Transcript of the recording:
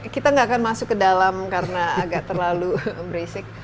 kita nggak akan masuk ke dalam karena agak terlalu berisik